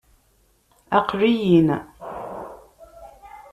Aql-iyi-n.